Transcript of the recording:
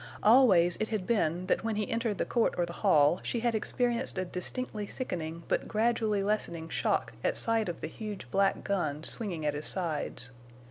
Always it had been that, when he entered the court or the hall, she had experienced a distinctly sickening but gradually lessening shock at sight of the huge black guns swinging at his sides.